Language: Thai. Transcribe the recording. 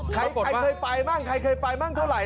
ใครเคยไปบ้างใครเคยไปบ้างเท่าไห